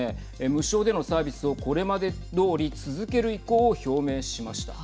無償でのサービスをこれまでどおり続ける意向を表明しました。